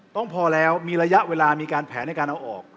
ต้องพอแล้วมีระยะเวลามีการแผนในการเอาออก